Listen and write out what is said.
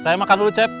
saya makan dulu chef